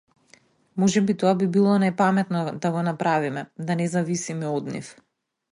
Можеби тоа би било најпаметно да го направиме, да не зависиме од нив.